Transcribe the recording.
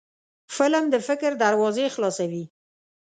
فلم د فکر دروازې خلاصوي